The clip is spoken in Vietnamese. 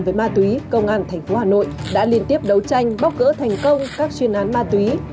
với ma túy công an tp hà nội đã liên tiếp đấu tranh bóc gỡ thành công các chuyên án ma túy